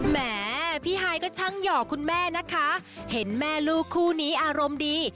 มาปิดท้องกันพวกเรามา